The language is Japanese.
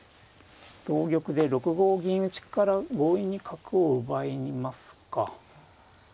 同玉で６五銀打から強引に角を奪いますか。